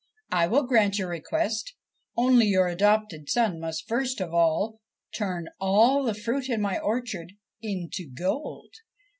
' I will grant your request, only your adopted son must first of all turn all the fruit in my orchard into gold.